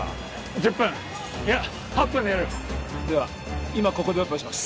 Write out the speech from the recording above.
１０分いや８分でやるでは今ここでオペをします